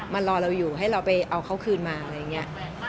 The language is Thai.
รอเราอยู่ให้เราไปเอาเขาคืนมาอะไรอย่างนี้